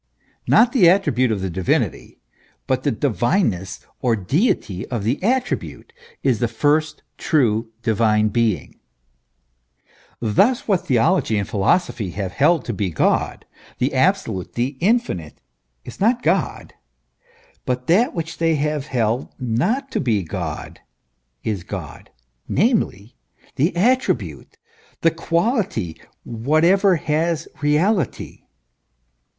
Not the attribute of the divinity, but the divine ness or deity of the attribute, is the first true Divine Being. THE ESSENCE OF RELIGION. 21 Thus what theology and philosophy have held to he God, the Absolute, the Infinite, is not God ; hut that which they have held not to be God, is God : namely, the attribute, the quality, whatever has reality.